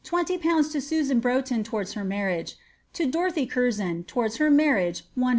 to Susan Broughton towards her marriage; ID Dorothy Curzon, towards her marriage, 100